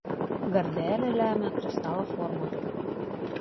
Gardelė lemia kristalo formą.